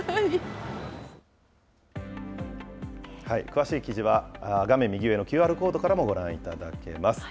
詳しい記事は、画面右上のＱＲコードからもご覧いただけます。